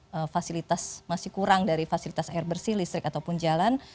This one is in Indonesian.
karena fasilitas masih kurang dari fasilitas air bersih listrik ataupun jalan